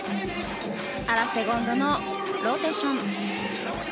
アラセゴンドのローテーション。